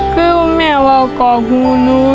คือแม่เรากล่องหูนู